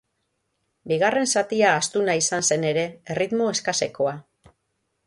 Bigarren zatia astuna izan zen ere, erritmo eskasekoa.